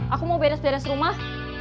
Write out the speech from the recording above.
aku mau beres beres rumah